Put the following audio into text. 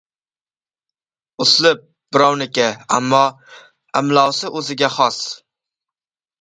— Uslub birovniki, ammo imlosi o‘ziga xos.